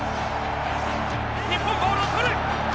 日本ボールを取る。